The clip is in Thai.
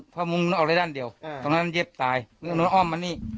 จำให้รู้ไม่ว่าดูณ